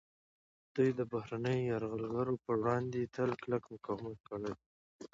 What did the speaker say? دوی د بهرنیو یرغلګرو پر وړاندې تل کلک مقاومت کړی دی